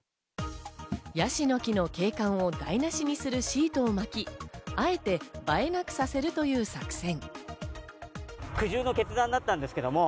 ヤシの木の景観を台無しにするシートを巻き、あえて映えなくさせるという作戦。